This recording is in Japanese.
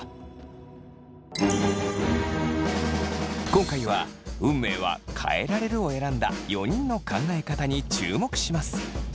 今回は運命は変えられるを選んだ４人の考え方に注目します。